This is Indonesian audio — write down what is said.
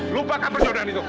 lupakan percobaan itu